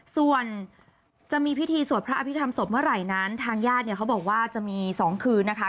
ส่วนจะมีพิธีสวดพระอภิษฐรรมศพเมื่อไหร่นั้นทางญาติเนี่ยเขาบอกว่าจะมี๒คืนนะคะ